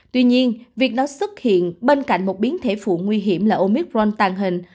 tuy nhiên việc nó xuất hiện bên cạnh một biến thể phụ nguy hiểm là omicron tàn hình